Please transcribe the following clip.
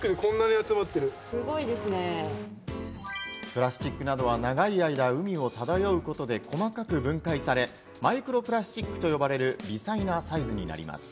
プラスチックなどは長い間、海を漂うことで細かく分解され、マイクロプラスチックと呼ばれる微細なサイズになります。